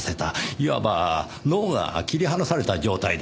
いわば脳が切り離された状態です。